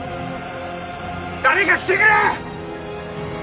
誰か来てくれ！